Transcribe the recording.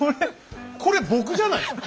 これ僕じゃないですか？